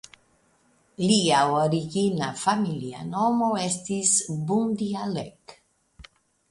Lia origina familia nomo estis "Bundialek".